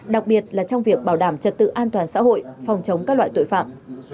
đặc biệt là trong việc bảo đảm trật tự an toàn xã hội phòng chống các loại tội phạm